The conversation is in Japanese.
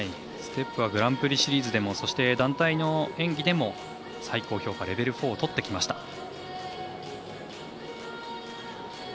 ステップはグランプリシリーズでもそして、団体の演技でも最高評価レベル４をとってきました。